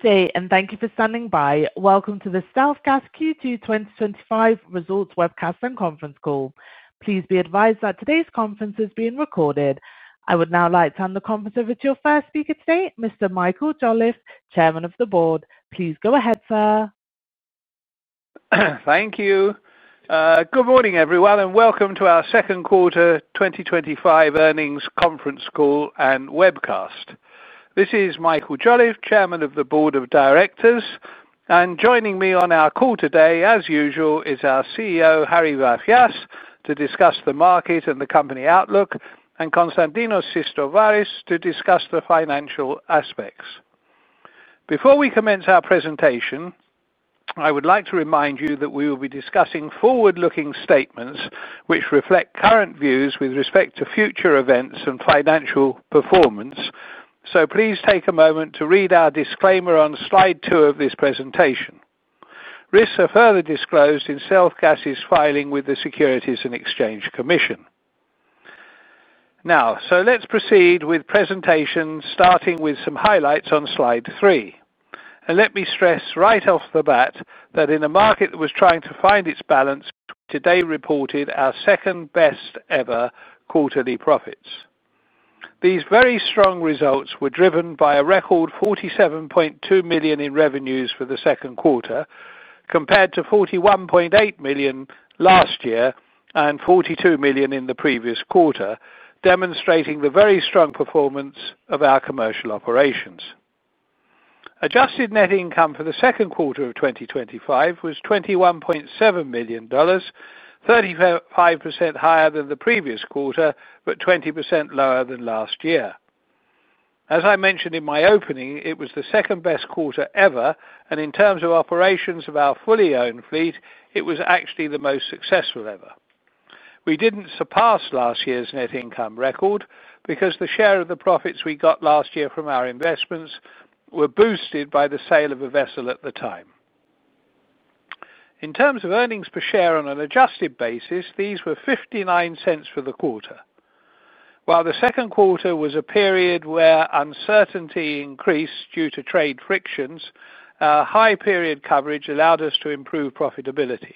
Good day, and thank you for standing by. Welcome to the StealthGas Q2 2025 Results Webcast and Conference Call. Please be advised that today's conference is being recorded. I would now like to hand the conference over to our first speaker today, Mr. Michael Jolliffe, Chairman of the Board. Please go ahead, sir. Thank you. Good morning, everyone, and welcome to our second quarter 2025 earnings conference call and webcast. This is Michael Jolliffe, Chairman of the Board of Directors, and joining me on our call today, as usual, is our CEO, Harry Vafias, to discuss the market and the company outlook, and Konstantinos Sistovaris to discuss the financial aspects. Before we commence our presentation, I would like to remind you that we will be discussing forward-looking statements which reflect current views with respect to future events and financial performance. Please take a moment to read our disclaimer on slide two of this presentation. Risks are further disclosed in StealthGas's filing with the Securities and Exchange Commission. Let's proceed with presentations, starting with some highlights on slide three. Let me stress right off the bat that in a market that was trying to find its balance, today we reported our second-best ever quarterly profits. These very strong results were driven by a record $47.2 million in revenues for the second quarter, compared to $41.8 million last year and $42 million in the previous quarter, demonstrating the very strong performance of our commercial operations. Adjusted net income for the second quarter of 2025 was $21.7 million, 35% higher than the previous quarter, but 20% lower than last year. As I mentioned in my opening, it was the second-best quarter ever, and in terms of operations of our fully owned fleet, it was actually the most successful ever. We didn't surpass last year's net income record because the share of the profits we got last year from our investments was boosted by the sale of a vessel at the time. In terms of earnings per share on an adjusted basis, these were $0.59 for the quarter. While the second quarter was a period where uncertainty increased due to trade frictions, a high period coverage allowed us to improve profitability.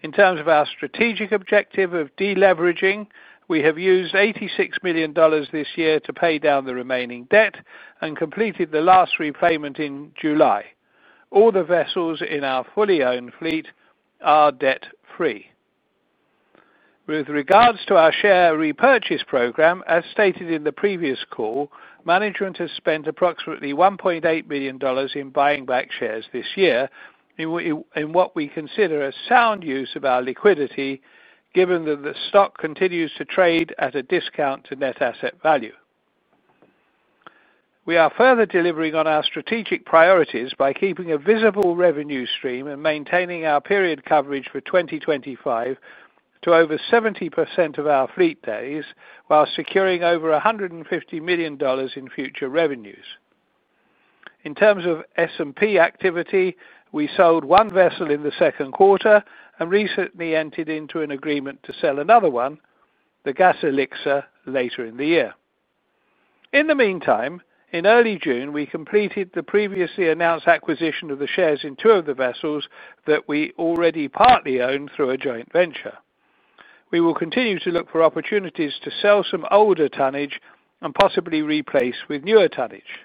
In terms of our strategic objective of deleveraging, we have used $86 million this year to pay down the remaining debt and completed the last repayment in July. All the vessels in our fully owned fleet are debt-free. With regards to our share repurchase program, as stated in the previous call, management has spent approximately $1.8 million in buying back shares this year in what we consider a sound use of our liquidity, given that the stock continues to trade at a discount to net asset value. We are further delivering on our strategic priorities by keeping a visible revenue stream and maintaining our period coverage for 2025 to over 70% of our fleet days, while securing over $150 million in future revenues. In terms of S&P activity, we sold one vessel in the second quarter and recently entered into an agreement to sell another one, the Gas Elixir, later in the year. In the meantime, in early June, we completed the previously announced acquisition of the shares in two of the vessels that we already partly own through a joint venture. We will continue to look for opportunities to sell some older tonnage and possibly replace with newer tonnage.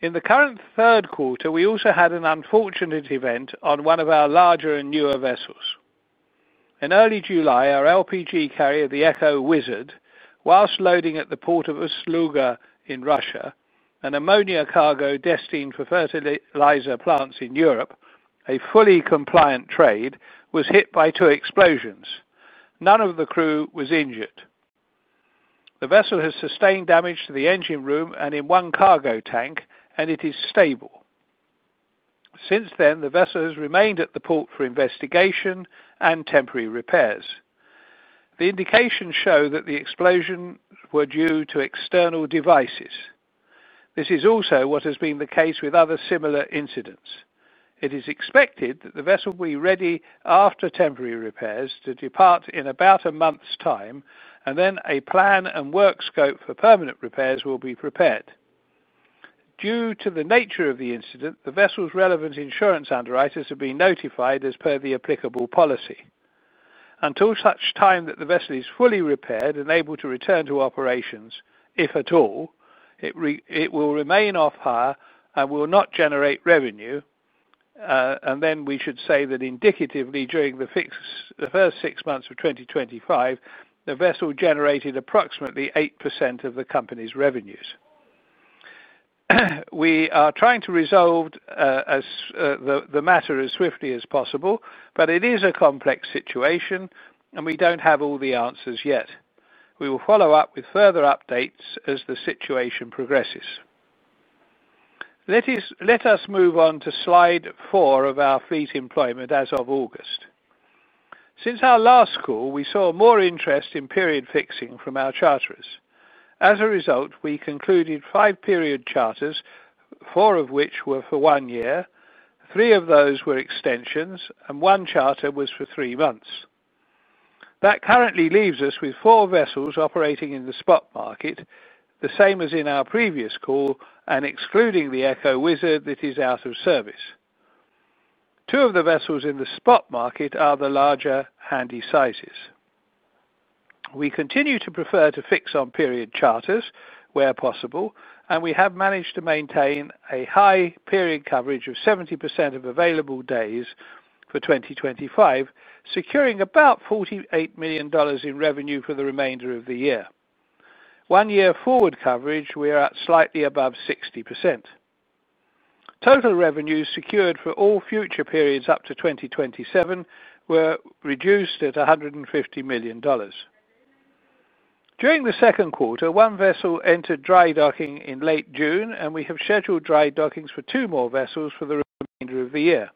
In the current third quarter, we also had an unfortunate event on one of our larger and newer vessels. In early July, our LPG carrier, the Echo Wizard, whilst loading at the port of Ust-Luga in Russia, an ammonia cargo destined for fertilizer plants in Europe, a fully compliant trade, was hit by two explosions. None of the crew was injured. The vessel has sustained damage to the engine room and in one cargo tank, and it is stable. Since then, the vessel has remained at the port for investigation and temporary repairs. The indications show that the explosions were due to external devices. This is also what has been the case with other similar incidents. It is expected that the vessel will be ready after temporary repairs to depart in about a month's time, and then a plan and work scope for permanent repairs will be prepared. Due to the nature of the incident, the vessel's relevant insurance underwriters have been notified as per the applicable policy. Until such time that the vessel is fully repaired and able to return to operations, if at all, it will remain off par and will not generate revenue. We should say that indicatively, during the first six months of 2025, the vessel generated approximately 8% of the company's revenues. We are trying to resolve the matter as swiftly as possible, but it is a complex situation, and we don't have all the answers yet. We will follow up with further updates as the situation progresses. Let us move on to slide four of our fleet employment as of August. Since our last call, we saw more interest in period fixing from our charterers. As a result, we concluded five period charters, four of which were for one year, three of those were extensions, and one charter was for three months. That currently leaves us with four vessels operating in the spot market, the same as in our previous call, and excluding the Echo Wizard that is out of service. Two of the vessels in the spot market are the larger handy sizes. We continue to prefer to fix on period charters where possible, and we have managed to maintain a high period coverage of 70% of available days for 2025, securing about $48 million in revenue for the remainder of the year. One year forward coverage, we are at slightly above 60%. Total revenues secured for all future periods up to 2027 were reduced at $150 million. During the second quarter, one vessel entered dry docking in late June, and we have scheduled dry dockings for two more vessels for the remainder of the year.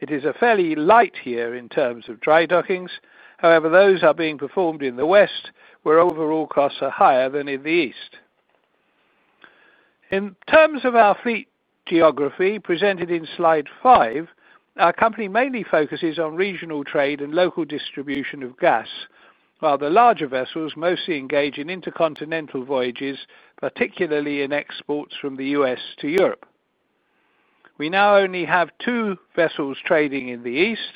It is a fairly light year in terms of dry dockings. However, those are being performed in the West, where overall costs are higher than in the East. In terms of our fleet geography presented in slide five, our company mainly focuses on regional trade and local distribution of gas, while the larger vessels mostly engage in intercontinental voyages, particularly in exports from the U.S. to Europe. We now only have two vessels trading in the East.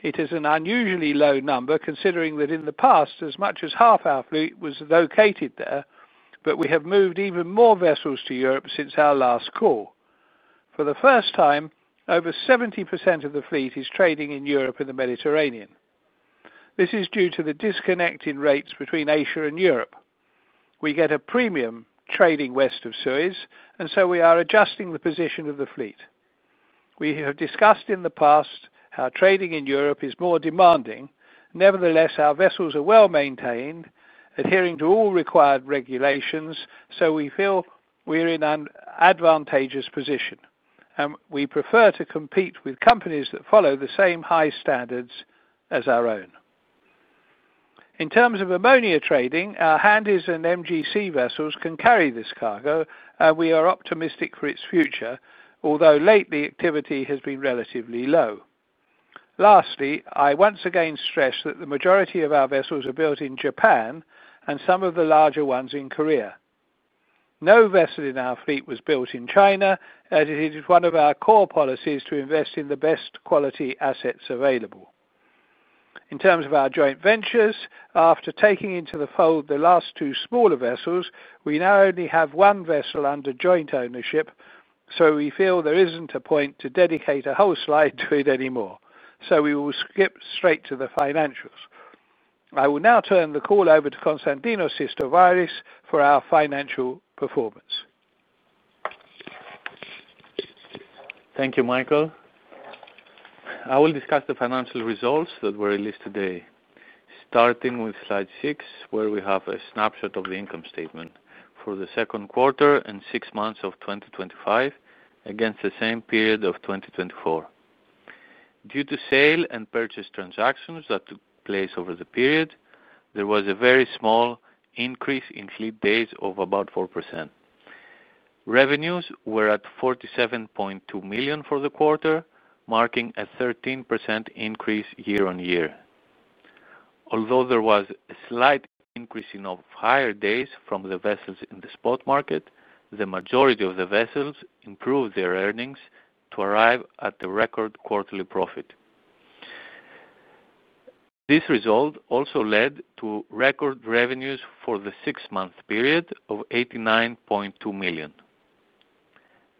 It is an unusually low number considering that in the past, as much as half our fleet was located there, but we have moved even more vessels to Europe since our last call. For the first time, over 70% of the fleet is trading in Europe and the Mediterranean. This is due to the disconnect in rates between Asia and Europe. We get a premium trading West of Suez, and so we are adjusting the position of the fleet. We have discussed in the past how trading in Europe is more demanding. Nevertheless, our vessels are well maintained, adhering to all required regulations, so we feel we're in an advantageous position, and we prefer to compete with companies that follow the same high standards as our own. In terms of ammonia trading, our handies and MGC vessels can carry this cargo, and we are optimistic for its future, although lately activity has been relatively low. Lastly, I once again stressed that the majority of our vessels are built in Japan and some of the larger ones in Korea. No vessel in our fleet was built in China, as it is one of our core policies to invest in the best quality assets available. In terms of our joint ventures, after taking into the fold the last two smaller vessels, we now only have one vessel under joint ownership. We feel there isn't a point to dedicate a whole slide to it anymore. We will skip straight to the financials. I will now turn the call over to Konstantinos Sistovaris for our financial performance. Thank you, Michael. I will discuss the financial results that were released today, starting with slide six, where we have a snapshot of the income statement for the second quarter and six months of 2025 against the same period of 2024. Due to sale and purchase transactions that took place over the period, there was a very small increase in fleet days of about 4%. Revenues were at $47.2 million for the quarter, marking a 13% increase year-on-year. Although there was a slight increase in higher days from the vessels in the spot market, the majority of the vessels improved their earnings to arrive at the record quarterly profit. This result also led to record revenues for the six-month period of $89.2 million.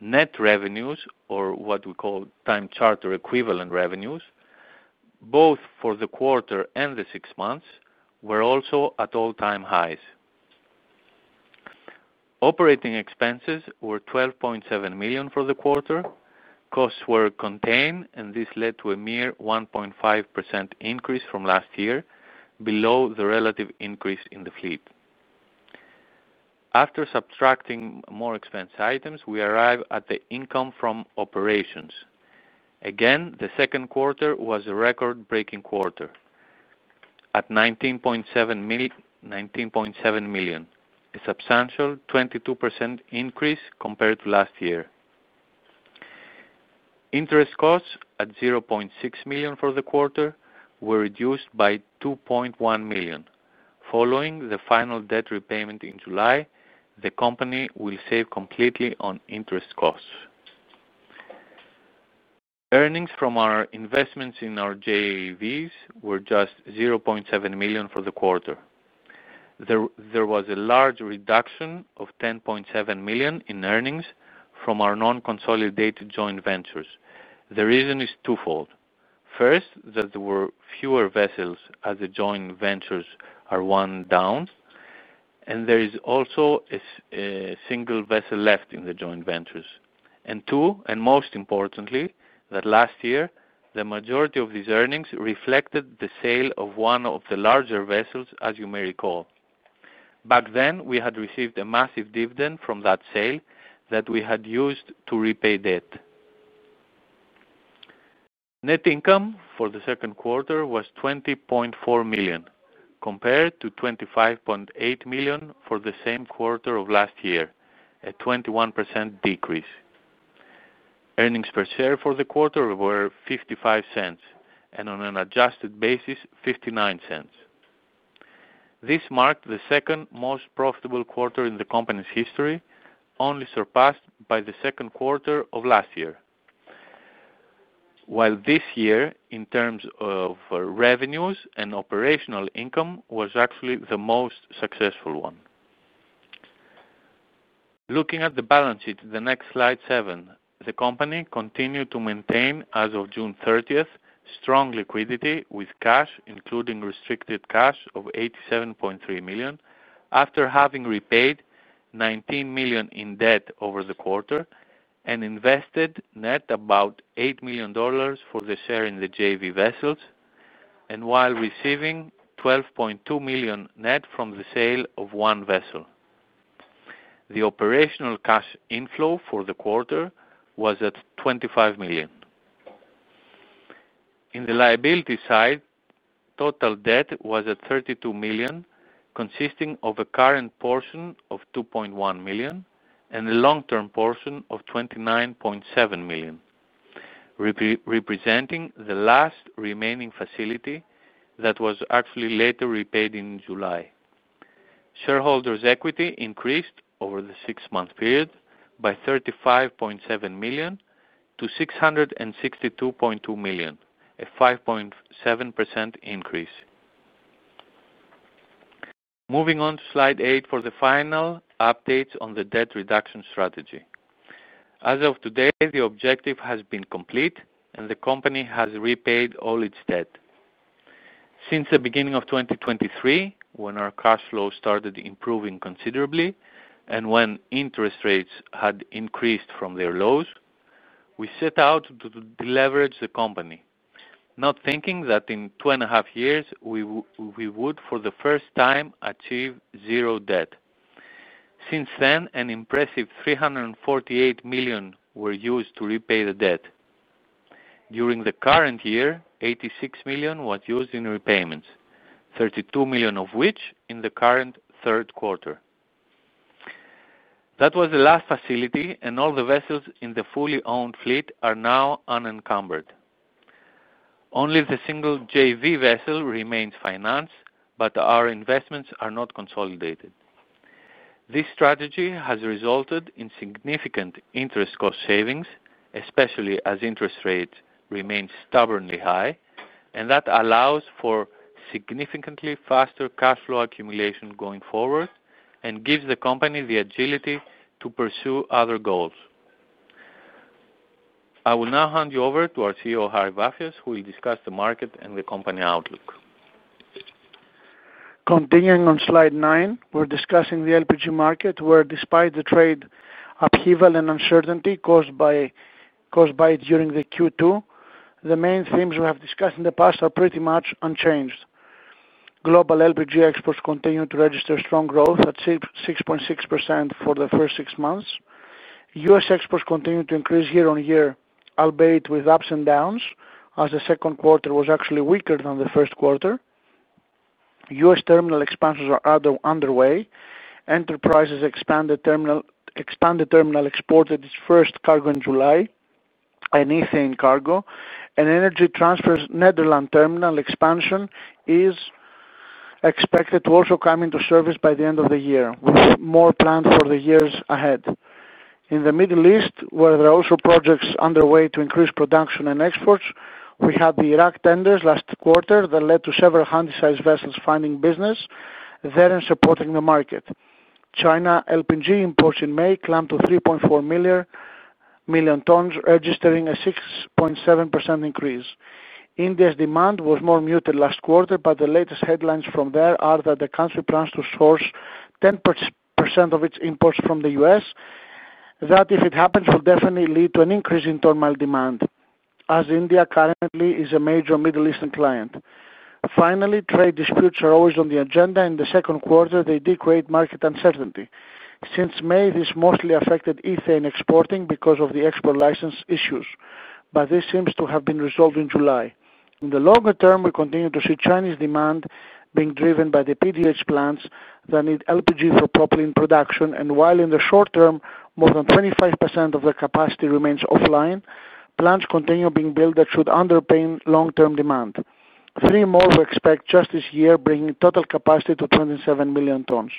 Net revenues, or what we call time charter equivalent revenues, both for the quarter and the six months, were also at all-time highs. Operating expenses were $12.7 million for the quarter. Costs were contained, and this led to a mere 1.5% increase from last year, below the relative increase in the fleet. After subtracting more expense items, we arrive at the income from operations. Again, the second quarter was a record-breaking quarter at $19.7 million, a substantial 22% increase compared to last year. Interest costs at $0.6 million for the quarter were reduced by $2.1 million. Following the final debt repayment in July, the company will save completely on interest costs. Earnings from our investments in our JVs were just $0.7 million for the quarter. There was a large reduction of $10.7 million in earnings from our non-consolidated joint ventures. The reason is twofold. First, that there were fewer vessels as the joint ventures are one down, and there is also a single vessel left in the joint ventures. Two, and most importantly, that last year, the majority of these earnings reflected the sale of one of the larger vessels, as you may recall. Back then, we had received a massive dividend from that sale that we had used to repay debt. Net income for the second quarter was $20.4 million, compared to $25.8 million for the same quarter of last year, a 21% decrease. Earnings per share for the quarter were $0.55, and on an adjusted basis, $0.59. This marked the second most profitable quarter in the company's history, only surpassed by the second quarter of last year. While this year, in terms of revenues and operational income, was actually the most successful one. Looking at the balance sheet, the next slide seven, the company continued to maintain, as of June 30th, strong liquidity with cash, including restricted cash of $87.3 million, after having repaid $19 million in debt over the quarter and invested net about $8 million for the share in the JV vessels, and while receiving $12.2 million net from the sale of one vessel. The operational cash inflow for the quarter was at $25 million. On the liability side, total debt was at $32 million, consisting of a current portion of $2.1 million and a long-term portion of $29.7 million, representing the last remaining facility that was actually later repaid in July. Shareholders' equity increased over the six-month period by $35.7 million to $662.2 million, a 5.7% increase. Moving on to slide eight for the final updates on the debt reduction strategy. As of today, the objective has been complete, and the company has repaid all its debt. Since the beginning of 2023, when our cash flow started improving considerably and when interest rates had increased from their lows, we set out to deleverage the company, not thinking that in two and a half years we would, for the first time, achieve zero debt. Since then, an impressive $348 million were used to repay the debt. During the current year, $86 million was used in repayments, $32 million of which in the current third quarter. That was the last facility, and all the vessels in the fully owned fleet are now unencumbered. Only the single JV vessel remains financed, but our investments are not consolidated. This strategy has resulted in significant interest cost savings, especially as interest rates remain stubbornly high, and that allows for significantly faster cash flow accumulation going forward and gives the company the agility to pursue other goals. I will now hand you over to our CEO, Harry Vafias, who will discuss the market and the company outlook. Continuing on slide nine, we're discussing the LPG market, where, despite the trade upheaval and uncertainty caused by it during the Q2, the main themes we have discussed in the past are pretty much unchanged. Global LPG exports continue to register strong growth at 6.6% for the first six months. U.S. exports continue to increase year-on-year, albeit with ups and downs, as the second quarter was actually weaker than the first quarter. U.S. terminal expansions are underway. Enterprise's expanded terminal exported its first cargo in July, an ethane cargo, and Energy Transfer's Netherlands terminal expansion is expected to also come into service by the end of the year, with more plans for the years ahead. In the Middle East, where there are also projects underway to increase production and exports, we had the Iraq tenders last quarter that led to several handy-sized vessels finding business there and supporting the market. China LPG imports in May climbed to 3.4 million tons, registering a 6.7% increase. India's demand was more muted last quarter, but the latest headlines from there are that the country plans to source 10% of its imports from the U.S. That, if it happens, will definitely lead to an increase in terminal demand, as India currently is a major Middle Eastern client. Finally, trade disputes are always on the agenda. In the second quarter, they did create market uncertainty. Since May, this mostly affected ethane exporting because of the export license issues, but this seems to have been resolved in July. In the longer term, we continue to see Chinese demand being driven by the PDH plants that need LPG for propylene production, and while in the short term, more than 25% of the capacity remains offline, plants continue being built that should underpin long-term demand. Three more we expect just this year, bringing total capacity to 27 million tons.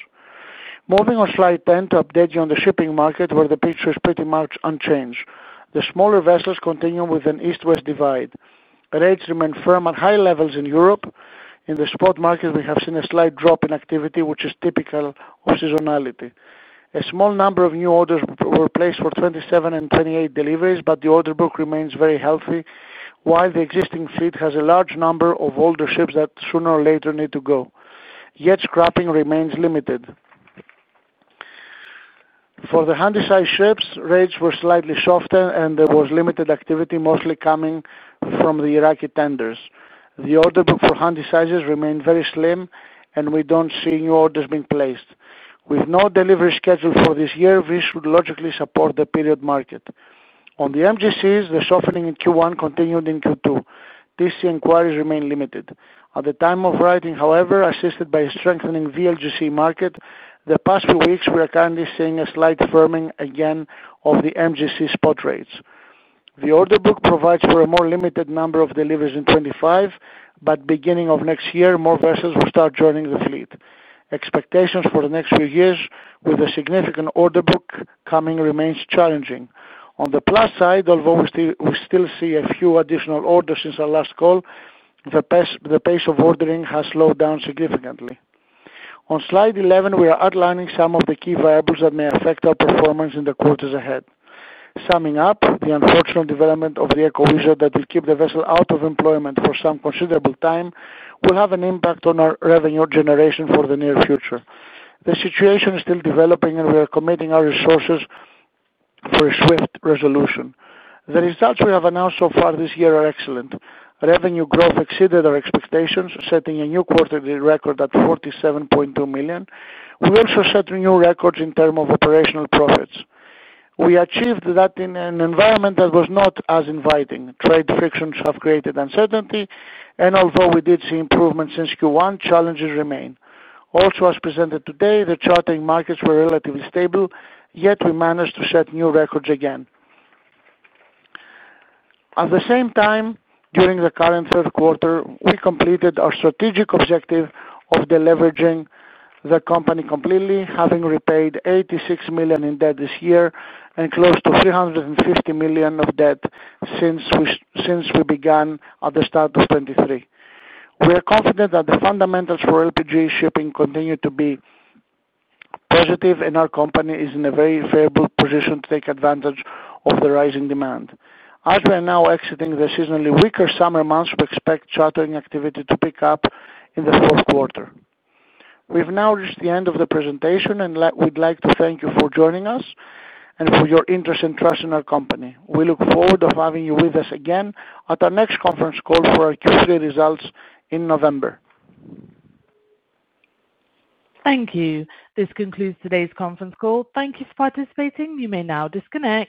Moving on slide 10 to update you on the shipping market, where the picture is pretty much unchanged. The smaller vessels continue with an east-west divide. Rates remain firm at high levels in Europe. In the spot market, we have seen a slight drop in activity, which is typical of seasonality. A small number of new orders were placed for 2027 and 2028 deliveries, but the order book remains very healthy, while the existing fleet has a large number of older ships that sooner or later need to go. Yet scrapping remains limited. For the handy-sized ships, rates were slightly softened, and there was limited activity, mostly coming from the Iraqi tenders. The order book for handy-sizes remained very slim, and we don't see new orders being placed. With no delivery scheduled for this year, this would logically support the period market. On the MGCs, the softening in Q1 continued in Q2. TC inquiries remain limited. At the time of writing, however, assisted by a strengthening VLGC market, the past few weeks we are currently seeing a slight firming again of the MGC spot rates. The order book provides for a more limited number of deliveries in 2025, but beginning of next year, more vessels will start joining the fleet. Expectations for the next few years, with a significant order book coming, remain challenging. On the plus side, although we still see a few additional orders since our last call, the pace of ordering has slowed down significantly. On slide 11, we are outlining some of the key variables that may affect our performance in the quarters ahead. Summing up, the unfortunate development of the Echo Wizard that will keep the vessel out of employment for some considerable time will have an impact on our revenue generation for the near future. The situation is still developing, and we are committing our resources for a swift resolution. The results we have announced so far this year are excellent. Revenue growth exceeded our expectations, setting a new quarterly record at $47.2 million. We also set new records in terms of operational profits. We achieved that in an environment that was not as inviting. Trade frictions have created uncertainty, and although we did see improvements since Q1, challenges remain. Also, as presented today, the chartering markets were relatively stable, yet we managed to set new records again. At the same time, during the current third quarter, we completed our strategic objective of deleveraging the company completely, having repaid $86 million in debt this year and close to $350 million of debt since we began at the start of 2023. We are confident that the fundamentals for LPG shipping continue to be positive, and our company is in a very favorable position to take advantage of the rising demand. As we are now exiting the seasonally weaker summer months, we expect chartering activity to pick up in the fourth quarter. We've now reached the end of the presentation, and we'd like to thank you for joining us and for your interest and trust in our company. We look forward to having you with us again at our next conference call for our Q3 results in November. Thank you. This concludes today's conference call. Thank you for participating. You may now disconnect.